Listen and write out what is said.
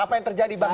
apa yang terjadi bang